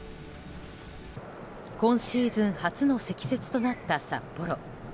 今シーズン初の積雪となった札幌。